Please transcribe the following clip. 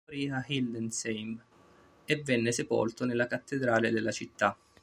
Morì a Hildesheim e venne sepolto nella cattedrale della città.